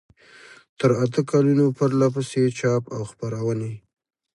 تر اته کلونو پرلپسې چاپ او خپروي.